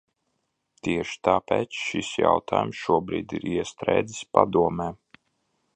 Tieši tāpēc šis jautājums šobrīd ir iestrēdzis Padomē.